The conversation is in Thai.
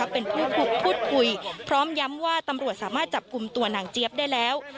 เป็นผู้ถูกพูดคุยพร้อมย้ำว่าตำรวจสามารถจับกลุ่มตัวนางเจี๊ยบได้แล้ว